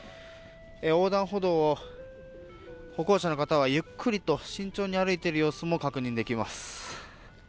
横断歩道を歩行者の方はゆっくりと慎重に歩いている様子も確認できます。